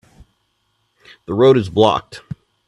The road is blocked.